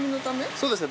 そうですね